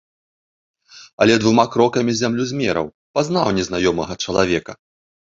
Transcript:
Але двума крокамі зямлю змераў, пазнаў незнаёмага чалавека.